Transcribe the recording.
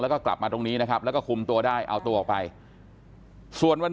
แล้วก็กลับมาตรงนี้นะครับแล้วก็คุมตัวได้เอาตัวออกไปส่วนวัน